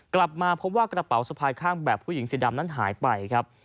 กลับมาพบว่ากระเป๋าสะพายข้างแบบผู้หญิงสีดำนั้นหายไปครับ